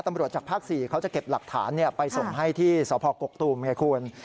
ตำรวจจากภาค๔เขาจะเก็บหลักฐานเนี่ยไปส่งให้ที่สพกกตูมไงควร